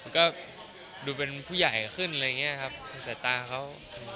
ก็ดูเป็นผู้ใหญ่ขึ้นอะไรอย่างเงี้ยครับสายตาเขา